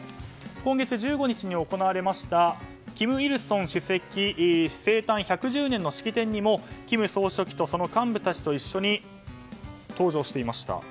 今月１５日に行われました金日成主席生誕１１０年の式典にも金総書記と幹部たちと一緒に登場していました。